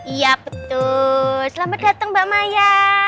iya betul selamat datang mbak maya